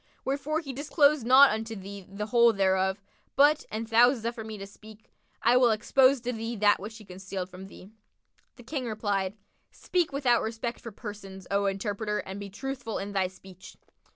Wherefore he disclosed not unto thee the whole thereof; but, an thou suffer me to speak, I will expose to thee that which he concealed from thee." The King replied, "Speak without respect for persons, O interpreter, and be truthful in thy speech."